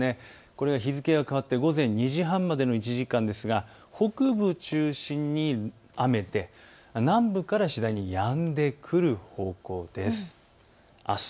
これが日付が変わって午前２時半までの１時間ですが北部を中心に雨で南部から次第にやんでくる方向です。